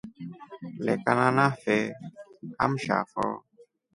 Lekana nafe amsha fo.